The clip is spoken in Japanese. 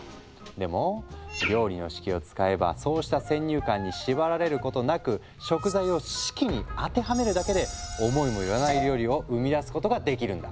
でも料理の式を使えばそうした先入観に縛られることなく食材を式に当てはめるだけで思いもよらない料理を生み出すことができるんだ。